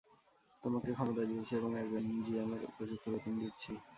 তোমাকে ক্ষমতা দিয়েছি এবং একজন জিএম এর উপযুক্ত বেতন দিচ্ছি।